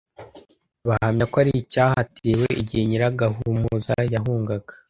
bahamya ko ari icyahatewe igihe Nyiragahumuza yahungaga